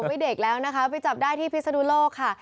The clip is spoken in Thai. ไม่เด็กแล้วนะคะไปจับได้ที่พิศนุโลกค่ะ